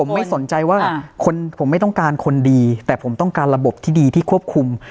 ผมไม่สนใจว่าผมไม่ต้องการคนดีแต่ผมต้องการระบบที่ดีที่ควบคุม